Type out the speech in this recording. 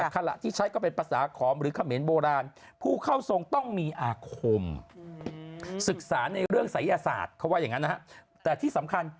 เขาว่าอย่างงั้นนะครับแต่ที่สำคัญ